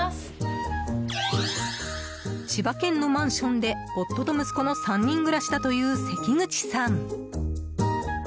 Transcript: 千葉県のマンションで夫と息子の３人暮らしだという関口さん。